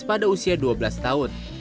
pada usia dua belas tahun